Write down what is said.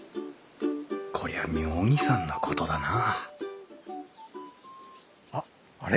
こりゃ妙義山のことだなああれ？